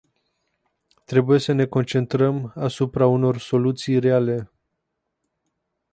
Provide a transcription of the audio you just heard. Trebuie să ne concentrăm asupra unor soluții reale.